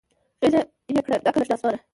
غیږ یې کړه ډکه له شنه اسمانه